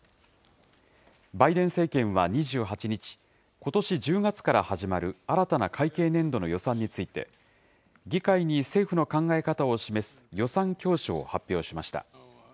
バイデン政権は２８日、ことし１０月から始まる新たな会計年度の予算について、議会に政府の考え方を示す予算教書を発表しました。